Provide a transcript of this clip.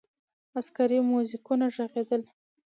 عسکري موزیکونه ږغېدل.